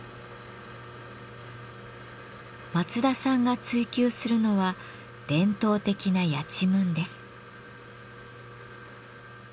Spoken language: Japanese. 松田さんが追求するのは伝統的なやちむんです。